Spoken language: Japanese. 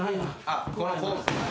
あっ！